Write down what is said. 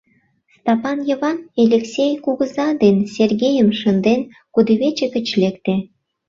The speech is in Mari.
Стапан Йыван, Элексей кугыза ден Сергейым шынден, кудывече гыч лекте.